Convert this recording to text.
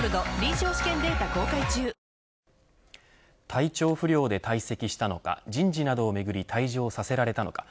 体調不良で退席したのか人事などをめぐり退場させられたのか。